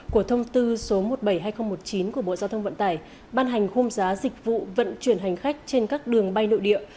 của thông tư số một trăm bảy mươi hai nghìn một mươi chín của bộ giao thông vận tải ban hành khung giá dịch vụ vận chuyển hành khách trên các đường bay nội địa